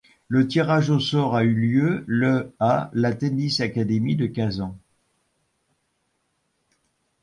Le tirage au sort a eu lieu le à la Tennis Academy de Kazan.